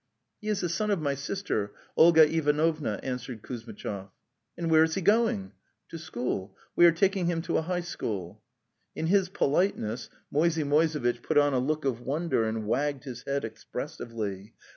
"He is the son of my sister, Olga Ivanovna,"' answered Kuzmitchoy. '" And where is he going? " "To school. We are taking him to a high school."' In his politeness, Moisey Moisevitch put on a look of wonder and wagged his head expressively.